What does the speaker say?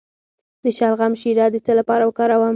د شلغم شیره د څه لپاره وکاروم؟